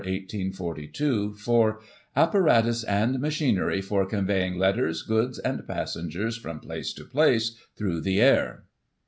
1842, for "Apparatus and machinery for conveying letters, goods and passengers, from place to place through the air."